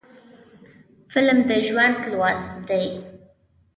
فلم د ژوند لوست دی